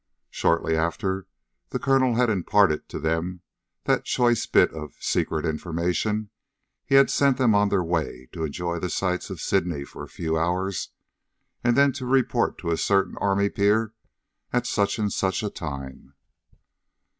Shortly after the Colonel had imparted to them that choice bit of "secret information," he had sent them on their way to enjoy the sights of Sydney for a few hours, and then to report to a certain Army pier at such and such a time.